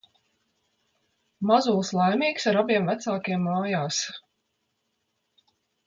Mazulis laimīgs ar abiem vecākiem mājās.